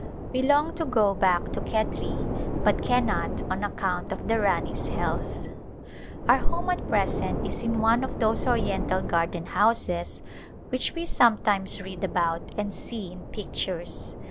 We long to go back to Khetri but cannot on account of the Rani's health. Our home at present is in one of those oriental garden houses which we sometimes read about and see in pictures.